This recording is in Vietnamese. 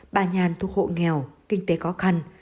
bà nhàn thuộc hộ nghèo kinh tế khó khăn